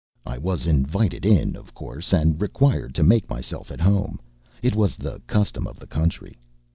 I was invited in, of course, and required to make myself at home it was the custom of the country.